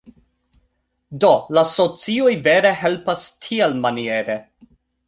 Do la socioj vere helpas tielmaniere.